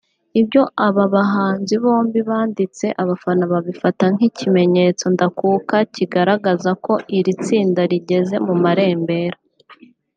Ibyo aba bahanzi bombi banditse abafana babifashe nk’ikimenyetso ndakuka kigaragaza ko iri tsinda rigeze mu marembera